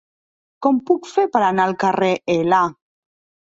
Com ho puc fer per anar al carrer L?